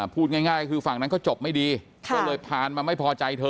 พูดง่ายก็คือฝั่งนั้นก็จบไม่ดีก็เลยผ่านมาไม่พอใจเธอ